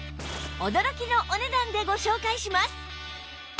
驚きのお値段でご紹介します！